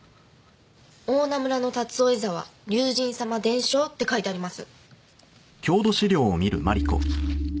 「大菜村の竜追沢竜神様伝承」って書いてあります。